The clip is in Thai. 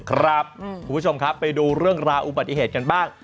คุณผู้ชมครับไปดูเรื่องราวอุบัติเหตุกันบ้าง